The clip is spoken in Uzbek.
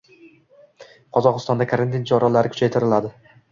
Qozog‘istonda karantin choralari kuchaytiriladi